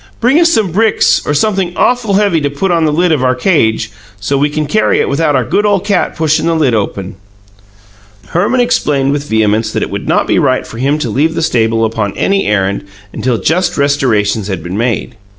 "Bring us some bricks, or something awful heavy to put on the lid of our cage, so we can carry it without our good ole cat pushin' the lid open." Herman explained with vehemence that it would not be right for him to leave the stable upon any errand until just restorations had been made.